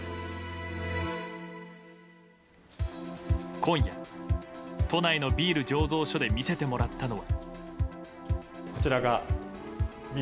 今夜、都内のビール醸造所で見せてもらったのは。